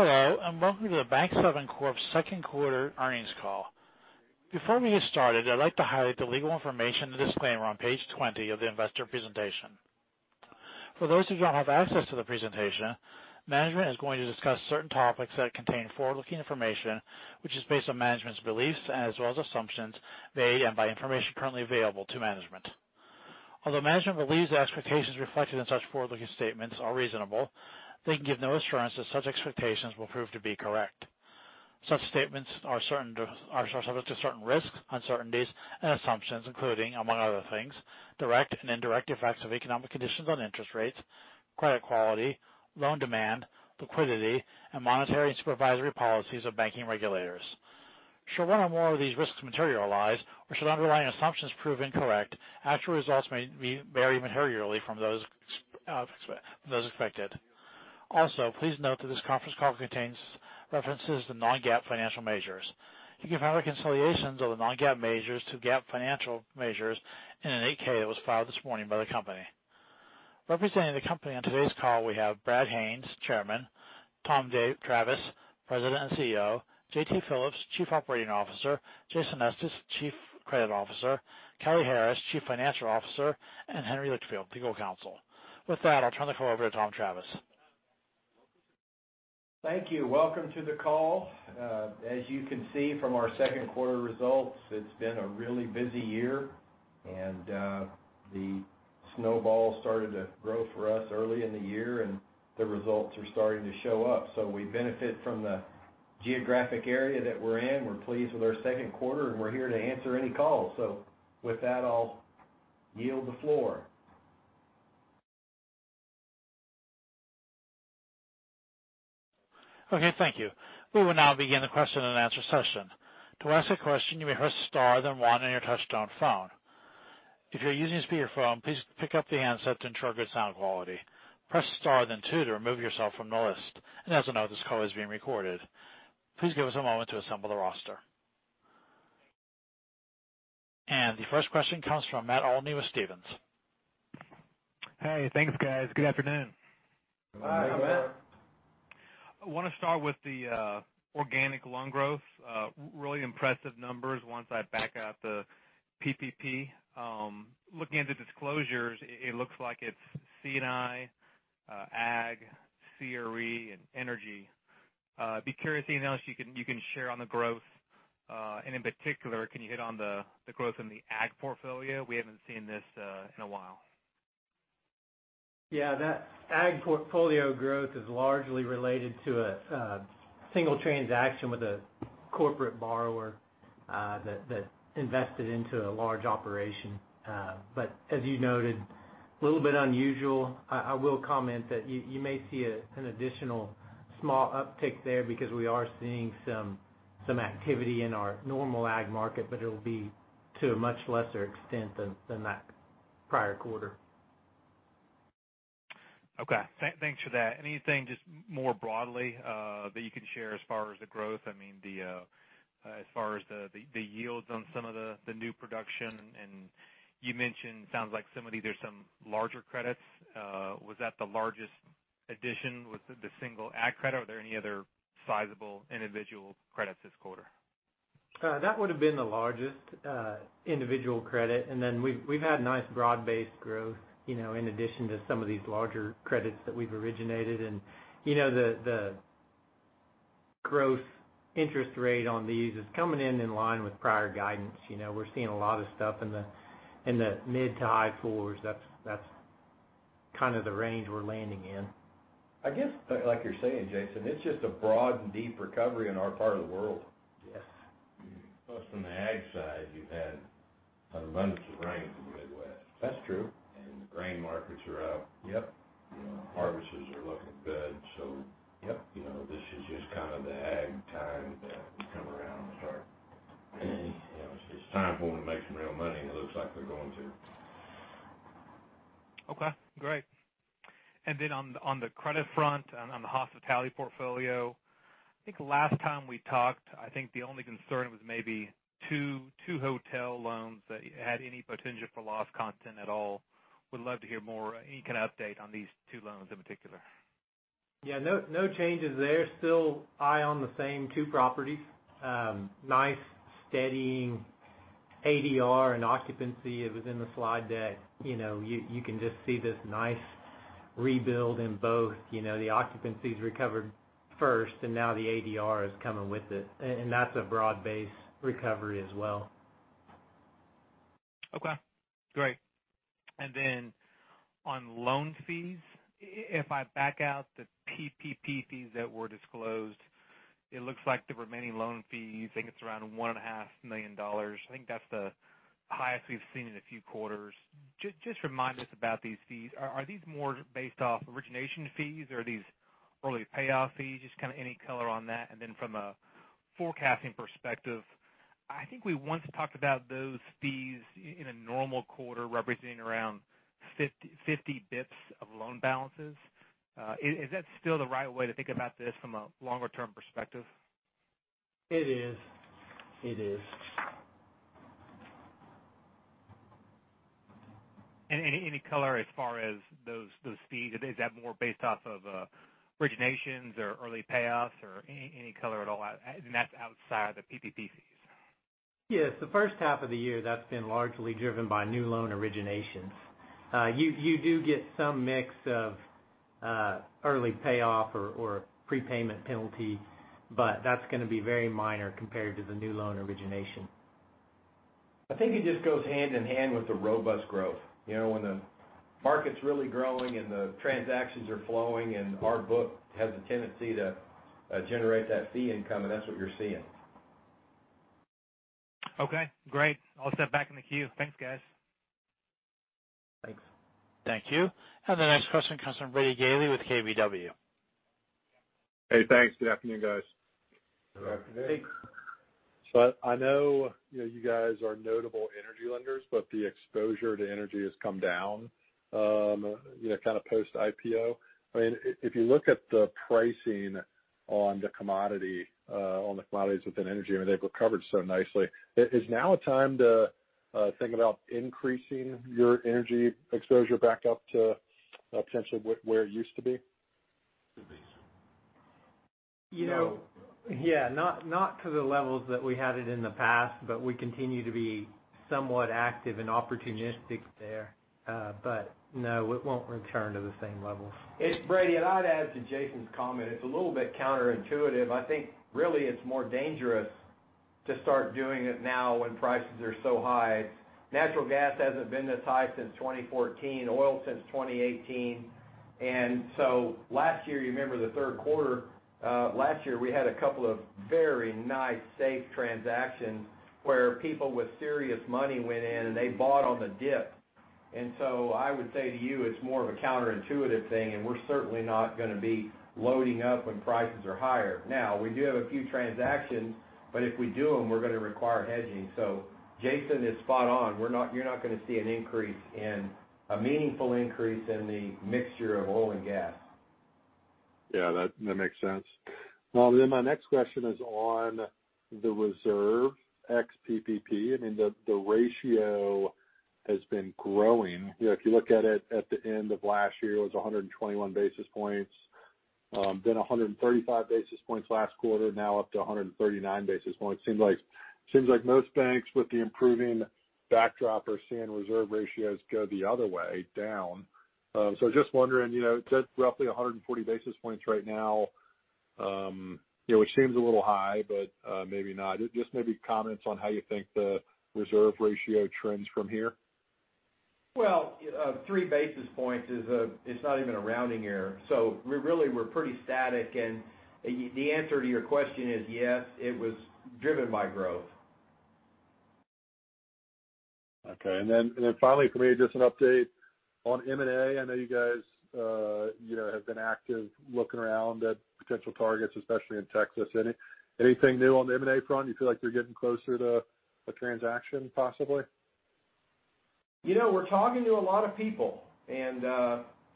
Hello, and welcome to the Bank7 Corp.'s Second Quarter Earnings Call. Before we get started, I'd like to highlight the legal information disclaimer on page 20 of the investor presentation. For those of you who don't have access to the presentation, management is going to discuss certain topics that contain forward-looking information, which is based on management's beliefs as well as assumptions made and by information currently available to management. Although management believes the expectations reflected in such forward-looking statements are reasonable, they can give no assurance that such expectations will prove to be correct. Such statements are subject to certain risks, uncertainties, and assumptions, including, among other things, direct and indirect effects of economic conditions on interest rates, credit quality, loan demand, liquidity, and monetary and supervisory policies of banking regulators. Should one or more of these risks materialize, or should underlying assumptions prove incorrect, actual results may vary materially from those expected. Also, please note that this conference call contains references to non-GAAP financial measures. You can find reconciliations of the non-GAAP measures to GAAP financial measures in an 8-K that was filed this morning by the company. Representing the company on today's call, we have Brad Haines, Chairman, Tom Travis, President and CEO, JT Phillips, Chief Operating Officer, Jason Estes, Chief Credit Officer, Kelly Harris, Chief Financial Officer, and Henry Litchfield, Legal Counsel. With that, I'll turn the call over to Tom Travis. Thank you. Welcome to the call. As you can see from our second quarter results, it's been a really busy year. The snowball started to grow for us early in the year. The results are starting to show up. We benefit from the geographic area that we're in. We're pleased with our second quarter. We're here to answer any calls. With that, I'll yield the floor. Okay, thank you. We will now begin the question and answer session. To ask a question, you may press star, then one on your touchtone phone. If you're using a speakerphone, please pick up the handset to ensure good sound quality. Press star, then two to remove yourself from the list. As a note, this call is being recorded. Please give us a moment to assemble the roster. The first question comes from Matt Olney with Stephens. Hey, thanks, guys. Good afternoon. Hi, Matt. I want to start with the organic loan growth, really impressive numbers once I back out the PPP. Looking at the disclosures, it looks like it's C&I, ag, CRE, and energy. I'd be curious anything else you can share on the growth, and in particular, can you hit on the growth in the ag portfolio? We haven't seen this in a while. Yeah, that ag portfolio growth is largely related to a single transaction with a corporate borrower that invested into a large operation. As you noted, little bit unusual. I will comment that you may see an additional small uptick there because we are seeing some activity in our normal ag market, but it'll be to a much lesser extent than that prior quarter. Okay, thanks for that. Anything just more broadly that you can share as far as the growth? As far as the yields on some of the new production, and you mentioned, sounds like there's some larger credits? Was that the largest addition with the single ag credit, or are there any other sizable individual credits this quarter? That would've been the largest individual credit. Then we've had nice broad-based growth in addition to some of these larger credits that we've originated. The growth interest rate on these is coming in in line with prior guidance. We're seeing a lot of stuff in the mid to high fours. That's kind of the range we're landing in. I guess, like you're saying, Jason, it's just a broad and deep recovery in our part of the world. Yes. On the ag side, you've had an abundance of rain in the Midwest. That's true. The grain markets are up. Yep. Harvests are looking good. Yep. This is just kind of the ag time to come around. It's time for them to make some real money, and it looks like they're going to. Okay, great. On the credit front, on the hospitality portfolio, I think last time we talked, I think the only concern was maybe two hotel loans that had any potential for loss content at all. Would love to hear more, any kind of update on these two loans in particular. Yeah, no changes there. Still eye on the same two properties. Nice steady ADR and occupancy. It was in the slide deck. You can just see this nice rebuild in both. The occupancy's recovered first, and now the ADR is coming with it. That's a broad-based recovery as well. Okay, great. On loan fees, if I back out the PPP fees that were disclosed, it looks like the remaining loan fee, you think it's around $1.5 million. I think that's the highest we've seen in a few quarters. Just remind us about these fees. Are these more based off origination fees, or are these early payoff fees? Just kind of any color on that. From a forecasting perspective, I think we once talked about those fees in a normal quarter representing around 50 bps of loan balances. Is that still the right way to think about this from a longer-term perspective? It is. It is. Any color as far as those fees, is that more based off of originations or early payoffs or any color at all? That's outside the PPP fees. Yes, the first half of the year, that's been largely driven by new loan originations. You do get some mix of early payoff or prepayment penalty, but that's going to be very minor compared to the new loan origination. I think it just goes hand in hand with the robust growth. When the market's really growing and the transactions are flowing and our book has a tendency to generate that fee income, that's what you're seeing. Okay, great. I'll step back in the queue. Thanks, guys. Thanks. Thank you. The next question comes from Brady Gailey with KBW. Hey, thanks. Good afternoon, guys. Good afternoon. Hey. I know you guys are notable energy lenders, but the exposure to energy has come down kind of post-IPO. If you look at the pricing on the commodities within energy, I mean, they've recovered so nicely. Is now a time to think about increasing your energy exposure back up to potentially where it used to be? Yeah, not to the levels that we had it in the past, but we continue to be somewhat active and opportunistic there. No, it won't return to the same levels. Brady, I'd add to Jason's comment, it's a little bit counterintuitive. I think really it's more dangerous to start doing it now when prices are so high. Natural gas hasn't been this high since 2014, oil since 2018. Last year, you remember the third quarter, last year, we had a couple of very nice, safe transactions where people with serious money went in and they bought on the dip. I would say to you, it's more of a counterintuitive thing, and we're certainly not going to be loading up when prices are higher. Now, we do have a few transactions, but if we do them, we're going to require hedging. Jason is spot on. You're not going to see a meaningful increase in the mixture of oil and gas. Yeah, that makes sense. My next question is on the reserve ex-PPP. I mean, the ratio has been growing. If you look at it at the end of last year, it was 121 basis points, then 135 basis points last quarter, now up to 139 basis points. Seems like most banks with the improving backdrop are seeing reserve ratios go the other way, down. Just wondering, it's at roughly 140 basis points right now, which seems a little high, but maybe not. Just maybe comments on how you think the reserve ratio trends from here. Well, three basis points is not even a rounding error. Really, we're pretty static, and the answer to your question is yes, it was driven by growth. Okay. Finally from me, just an update on M&A. I know you guys have been active looking around at potential targets, especially in Texas. Anything new on the M&A front? You feel like you're getting closer to a transaction, possibly? We're talking to a lot of people, and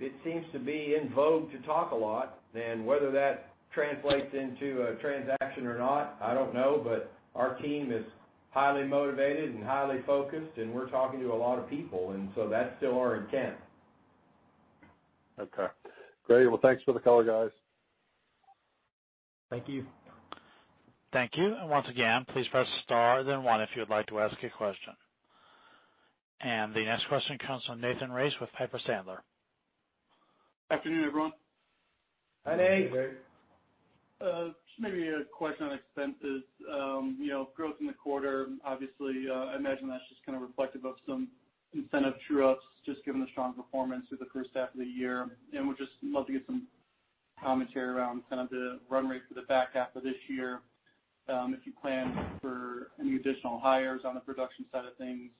it seems to be en vogue to talk a lot. Whether that translates into a transaction or not, I don't know, but our team is highly motivated and highly focused, and we're talking to a lot of people, and so that's still our intent. Okay. Great. Well, thanks for the color, guys. Thank you. Thank you. Once again, please press star then one if you would like to ask a question. The next question comes from Nathan Race with Piper Sandler. Afternoon, everyone. Hi, Nate. Hey, Nate. Just maybe a question on expenses. Growth in the quarter, obviously, I imagine that's just kind of reflective of some incentive true-ups, just given the strong performance through the first half of the year. Would just love to get some commentary around kind of the run rate for the back half of this year, if you plan for any additional hires on the production side of things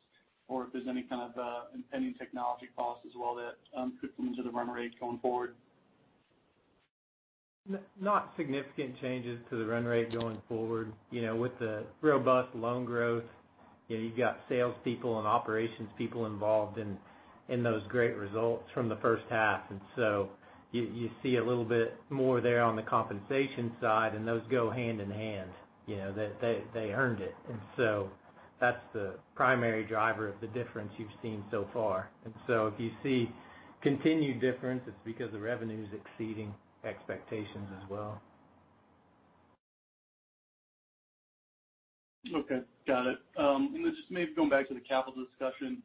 or if there's any kind of impending technology costs as well that could come into the run rate going forward. Not significant changes to the run rate going forward. With the robust loan growth, you've got salespeople and operations people involved in those great results from the first half. You see a little bit more there on the compensation side, and those go hand in hand. They earned it. That's the primary driver of the difference you've seen so far. If you see continued difference, it's because the revenue's exceeding expectations as well. Okay, got it. Just maybe going back to the capital discussion,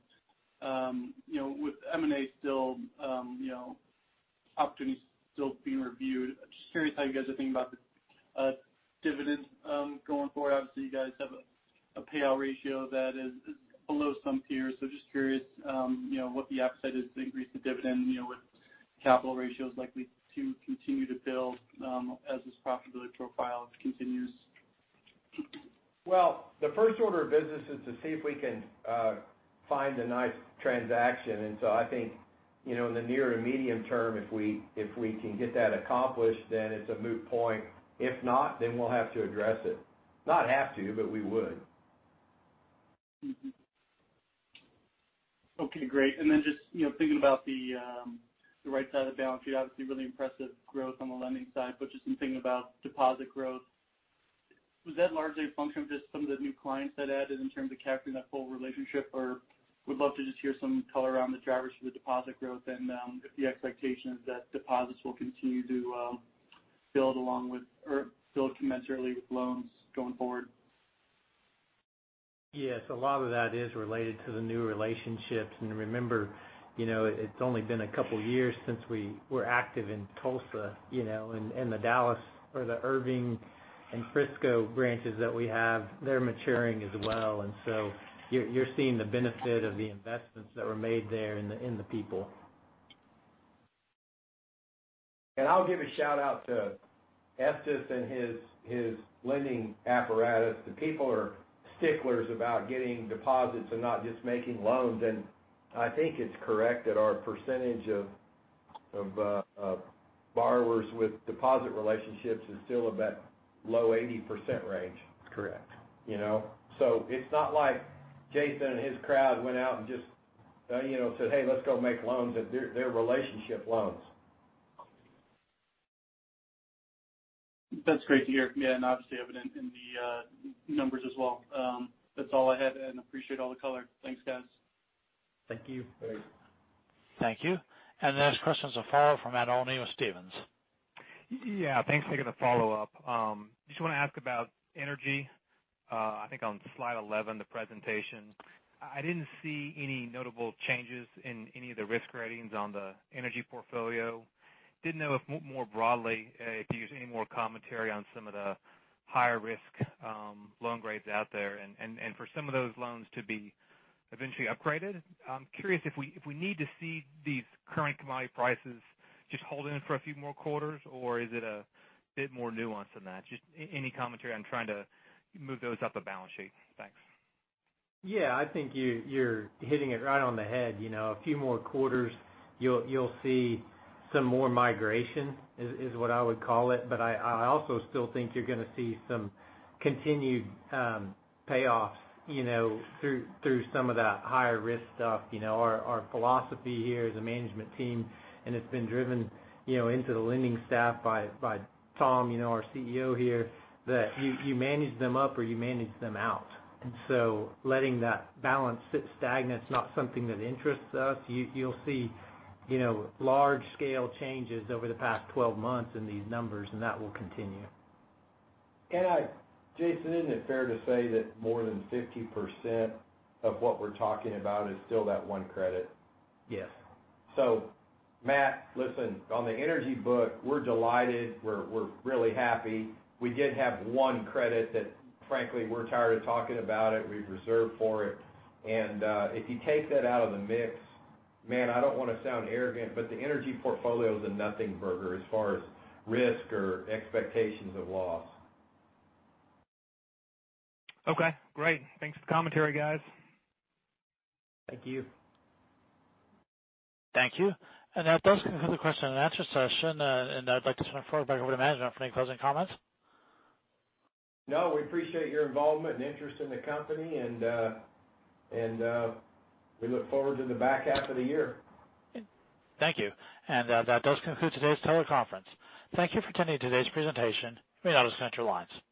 with M&A opportunities still being reviewed, just curious how you guys are thinking about the dividend going forward. Obviously, you guys have a payout ratio that is below some peers. Just curious what the upside is to increase the dividend with capital ratios likely to continue to build as this profitability profile continues. Well, the first order of business is to see if we can find a nice transaction. I think, in the near to medium term, if we can get that accomplished, then it's a moot point. If not, we'll have to address it. Not have to, we would. Okay, great. Just thinking about the right side of the balance sheet, obviously really impressive growth on the lending side, but just been thinking about deposit growth. Was that largely a function of just some of the new clients that added in terms of capturing that full relationship? Would love to just hear some color on the drivers for the deposit growth and if the expectation is that deposits will continue to build commensurately with loans going forward. Yes, a lot of that is related to the new relationships. Remember, it's only been a couple years since we were active in Tulsa, and the Dallas or the Irving and Frisco branches that we have, they're maturing as well. You're seeing the benefit of the investments that were made there in the people. I'll give a shout-out to Estes and his lending apparatus. The people are sticklers about getting deposits and not just making loans. I think it's correct that our percentage of borrowers with deposit relationships is still about low 80% range. That's correct. It's not like Jason and his crowd went out and just said, "Hey, let's go make loans." They're relationship loans. That's great to hear. Yeah, obviously, evident in the numbers as well. That's all I had. Appreciate all the color. Thanks, guys. Thank you. Thanks. Thank you. The next question is from Matt Olney with Stephens. Yeah, thanks. I got a follow-up. Just want to ask about energy. I think on slide 11, the presentation, I didn't see any notable changes in any of the risk ratings on the energy portfolio. Didn't know if more broadly, if you have any more commentary on some of the higher risk loan grades out there and for some of those loans to be eventually upgraded? I'm curious if we need to see these current commodity prices just hold in for a few more quarters, or is it a bit more nuanced than that? Just any commentary on trying to move those up the balance sheet? Thanks. I think you're hitting it right on the head. A few more quarters, you'll see some more migration is what I would call it, but I also still think you're going to see some continued payoffs through some of the higher risk stuff. Our philosophy here as a management team, and it's been driven into the lending staff by Tom, our CEO here, that you manage them up or you manage them out. Letting that balance sit stagnant is not something that interests us. You'll see large-scale changes over the past 12 months in these numbers, and that will continue. Jason, isn't it fair to say that more than 50% of what we're talking about is still that one credit? Yes. Matt, listen, on the energy book, we're delighted. We're really happy. We did have one credit that frankly, we're tired of talking about it. We've reserved for it. If you take that out of the mix, man, I don't want to sound arrogant, but the energy portfolio is a nothing burger as far as risk or expectations of loss. Okay, great. Thanks for the commentary, guys. Thank you. Thank you. That does conclude the question and answer session. I'd like to turn the floor back over to management for any closing comments. No, we appreciate your involvement and interest in the company, and we look forward to the back half of the year. Thank you. That does conclude today's teleconference. Thank you for attending today's presentation. You may now disconnect your lines.